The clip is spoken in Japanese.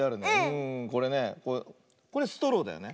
これねこれストローだよね。